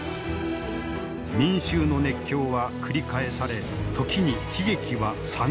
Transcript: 民衆の熱狂は繰り返され時に悲劇は惨劇となった。